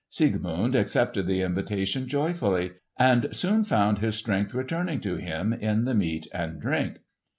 Siegmund accepted the invitation joyfully, and soon found his strength returning to him in the meat and drink.